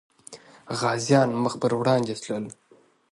غازيان مخ پر وړاندې تلل.